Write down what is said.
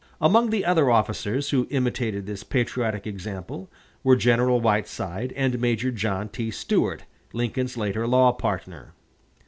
Among the other officers who imitated this patriotic example were General Whiteside and Major John T. Stuart, Lincoln's later law partner.